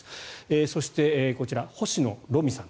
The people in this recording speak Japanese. そして、こちら星野ロミさん。